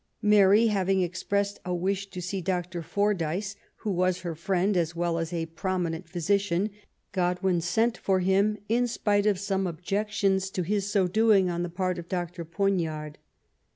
Mary having expressed a wish to see Dr. Fordyce, who was her friend as well as a prominent physician, God win sent for him, in spite of some objections to his so doing on the part of Dr. Poignard.